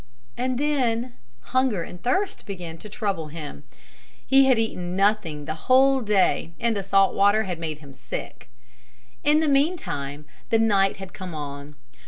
And then hunger and thirst began to trouble him. He had eaten nothing the whole day and the salt water had made him sick. In the meantime the night had come on.